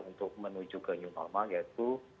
untuk menuju ke new normal yaitu